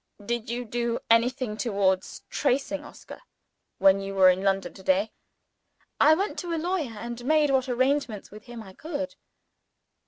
"Did you do anything towards tracing Oscar, when you were in London to day?" "I went to a lawyer, and made what arrangements with him I could."